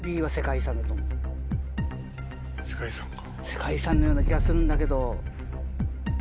世界遺産のような気がするんだけど。